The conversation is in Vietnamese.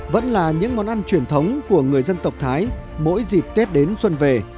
vẫn là những món ăn truyền thống của người dân tộc thái mỗi dịp tết đến xuân về